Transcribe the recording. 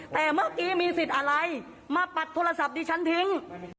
แต่เมื่อกี้มีสิทธิ์อะไรมาปัดโทรศัพท์ดิฉันทิ้ง